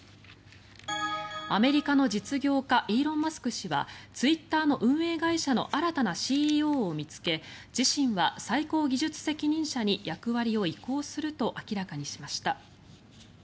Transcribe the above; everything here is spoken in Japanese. アメリカの実業家イーロン・マスク氏はツイッターの運営会社の新たなＣＥＯを見つけ自身は最高技術責任者に役割を移行すると明らかにしました。